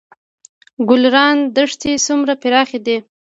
ګلران دښتې څومره پراخې دي؟